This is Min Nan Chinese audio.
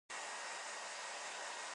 目睭挩窗